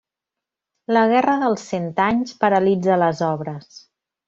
La Guerra dels Cent Anys paralitza les obres.